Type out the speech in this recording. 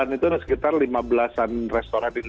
itu ada di satu jalan itu sekitar lima belasan restoran di sana ya